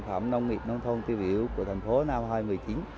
sản phẩm nông nghiệp nông thôn tiêu biểu của thành phố nam hoài một mươi chín